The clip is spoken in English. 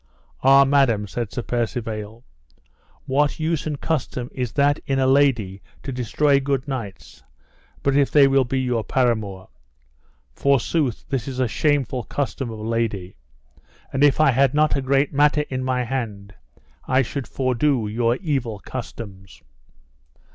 Ah, madam, said Sir Percivale, what use and custom is that in a lady to destroy good knights but if they will be your paramour? Forsooth this is a shameful custom of a lady, and if I had not a great matter in my hand I should fordo your evil customs.